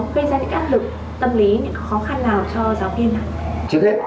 trước hết là thầy cô